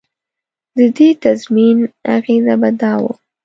د دې تضمین اغېزه به دا وه.